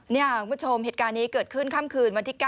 คุณผู้ชมเหตุการณ์นี้เกิดขึ้นค่ำคืนวันที่๙